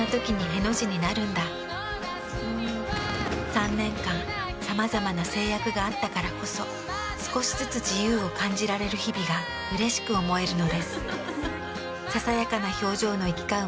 ３年間さまざまな制約があったからこそ少しずつ自由を感じられる日々がうれしく思えるのです。